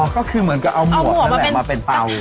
อ๋อก็คือเหมือนกับเอาหมวกเอาหมวกมาเป็นตาล